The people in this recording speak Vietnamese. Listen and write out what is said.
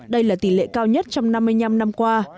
đây là tỷ lệ cao nhất trong năm mươi năm năm qua